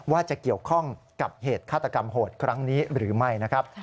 ว่าจะเกี่ยวข้องกับเหตุฆาตกรรมโหดครั้งนี้หรือไม่นะครับ